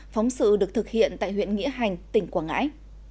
phóng sự được thực hiện tại huyện nghĩa hành tỉnh quảng ngãi